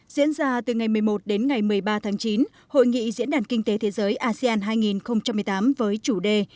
diễn ra từ ngày một mươi một đến ngày một mươi ba tháng chín hội nghị diễn đàn kinh tế thế giới asean hai nghìn một mươi tám với chủ đề